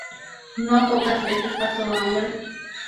No pocas veces pasó hambre.